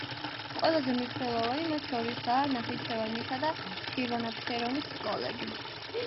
ყველაზე მნიშვნელოვანი მათ შორისაა ნახიჩევანისა და შირვან-აფშერონის სკოლები.